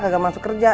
kagak masuk kerja